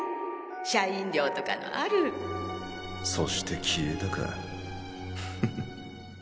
社員寮とかのあるそして消えたかふふ